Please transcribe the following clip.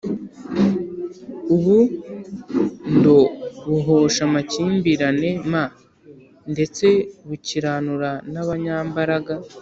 Ubu ndo buhosha amakimbirane m ndetse bukiranura n abanyambaraga